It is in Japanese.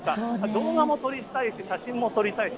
動画も撮りたいし、写真も撮りたいし。